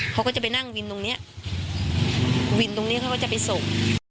เขาก็จะไปนั่งวินตรงเนี้ยวินตรงนี้เขาก็จะไปส่ง